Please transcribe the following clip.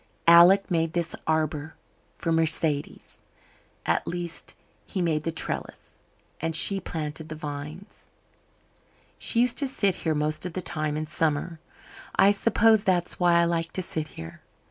Alec made this arbour for Mercedes at least he made the trellis, and she planted the vines. "She used to sit here most of the time in summer. I suppose that's why I like to sit here.